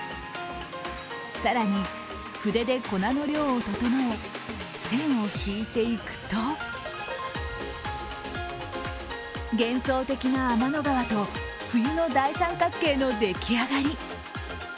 更に筆で粉の量を整え線を引いていくと幻想的な天の川と冬の大三角形の出来上がり。